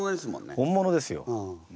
本物ですよ。